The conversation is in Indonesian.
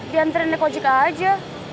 diantar di ojik aja